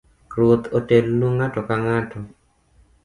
Ruoth otelnu ng’ato kang’ato